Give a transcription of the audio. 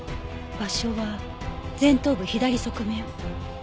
場所は前頭部左側面。